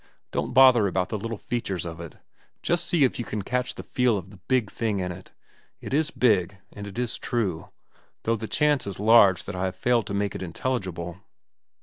Don't bother about the little features of it. Just see if you catch the feel of the big thing in it. It is big, and it is true, though the chance is large that I have failed to make it intelligible."